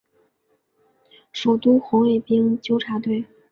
首都红卫兵纠察队。